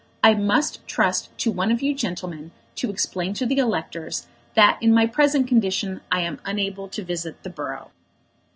I must trust to one of you gentlemen to explain to the electors that in my present condition I am unable to visit the borough."